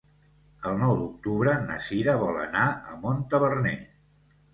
El nou d'octubre na Cira vol anar a Montaverner.